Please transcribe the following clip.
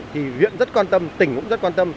thì huyện rất quan tâm tỉnh cũng rất quan tâm